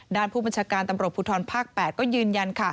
ด้านผู้บัญชาการตำรวจภูทรภาค๘ก็ยืนยัน